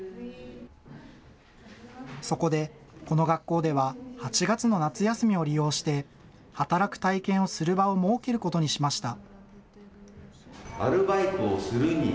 そこで、この学校では８月の夏休みを利用して、働く体験をする場を設けることにしました。